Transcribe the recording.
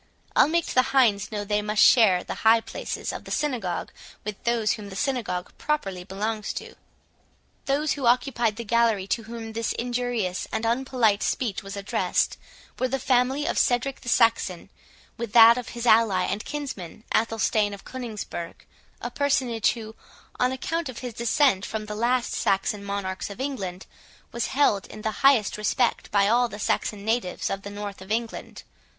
I'll make the hinds know they must share the high places of the synagogue with those whom the synagogue properly belongs to." Those who occupied the gallery to whom this injurious and unpolite speech was addressed, were the family of Cedric the Saxon, with that of his ally and kinsman, Athelstane of Coningsburgh, a personage, who, on account of his descent from the last Saxon monarchs of England, was held in the highest respect by all the Saxon natives of the north of England.